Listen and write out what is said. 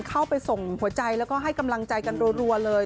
เข้าไปส่งหัวใจแล้วก็ให้กำลังใจกันรัวเลย